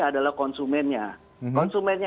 adalah konsumennya konsumennya